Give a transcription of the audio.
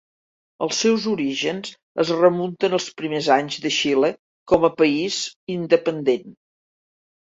Els seus orígens es remunten als primers anys de Xile com a país independent.